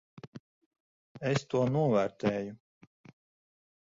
Es to novērtēju.